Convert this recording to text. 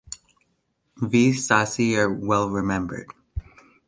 V. Sasi are well remembered.